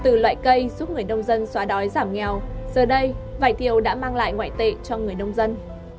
từ loại cây giúp người nông dân xóa đói giảm nghèo giờ đây vải thiều đã mang lại ngoại tệ cho người nông dân